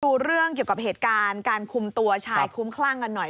ดูเรื่องเกี่ยวกับเหตุการณ์การคุมตัวชายคุ้มคลั่งกันหน่อย